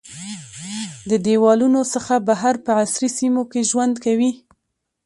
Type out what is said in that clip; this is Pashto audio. د دیوالونو څخه بهر په عصري سیمو کې ژوند کوي.